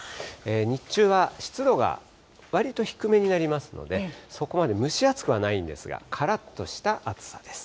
日中は湿度が割と低めになりますので、そこまで蒸し暑くはないんですが、からっとした暑さです。